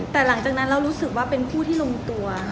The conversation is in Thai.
แต่หลังจากนั้นเรารู้สึกว่าเป็นผู้ที่ลงตัว